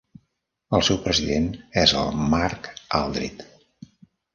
El seu president és el Mark Alldritt.